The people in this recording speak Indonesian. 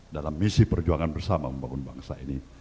dalam misi perjuangan bersama membangun bangsa ini